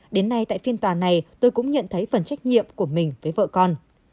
đến nay tại phiên tòa này tôi cũng nhận thấy phần trách nhiệm của mình với vợ con